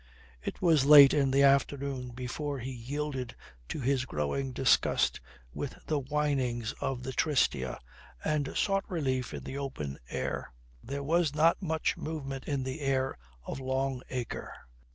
It was late in the afternoon before he yielded to his growing disgust with the whinings of the Tristia and sought relief in the open air. There was not much movement in the air of Long Acre.